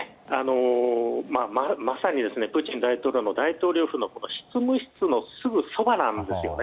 まさに、プーチン大統領の大統領府の執務室のすぐそばなんですよね。